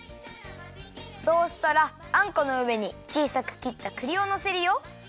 そうしたらあんこのうえにちいさくきったくりをのせるよ。